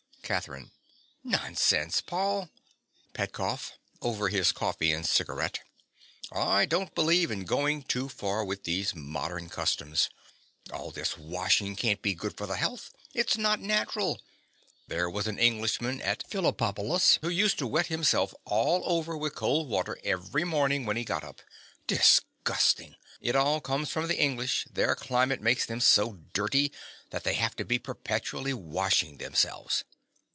CATHERINE. Nonsense, Paul! PETKOFF. (over his coffee and cigaret). I don't believe in going too far with these modern customs. All this washing can't be good for the health: it's not natural. There was an Englishman at Phillipopolis who used to wet himself all over with cold water every morning when he got up. Disgusting! It all comes from the English: their climate makes them so dirty that they have to be perpetually washing themselves.